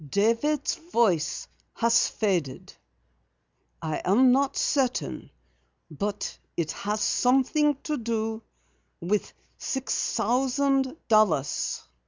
"David's voice has faded. I am not certain, but it has something to do with six thousand dollars."